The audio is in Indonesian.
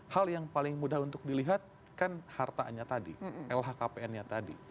hal yang paling mudah untuk dilihat kan hartanya tadi lhkpn nya tadi